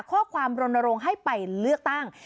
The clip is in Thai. ข้อความรณรงค์ให้ไปเลือกตั้ง